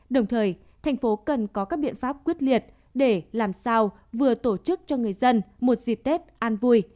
đồng thời thành phố cần có các biện pháp quyết liệt để làm sao vừa tổ chức cho người dân một dịp tết an vui